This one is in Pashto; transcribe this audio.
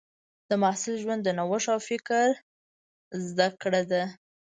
د محصل ژوند د نوښت او فکر زده کړه ده.